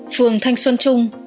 phường thanh xuân trung